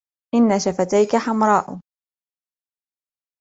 ان شفتيك حمراء.